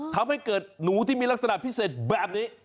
ทำให้เกิดหนูที่มีลักษณะพิเศษแบบนี้